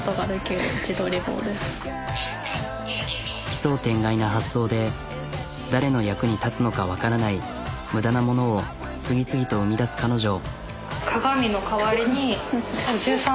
奇想天外な発想で誰の役に立つのかわからない無駄なものを次々と生み出す彼女。